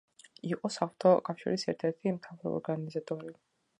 იყო „საღვთო კავშირის“ ერთ-ერთი მთავარი ორგანიზატორი.